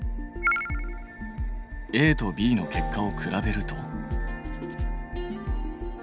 ＡとＢの結果を比べると。